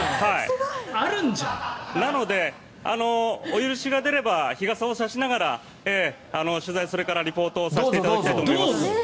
なので、お許しが出れば日傘を差しながら取材、それからリポートをさせていただきたいと思います。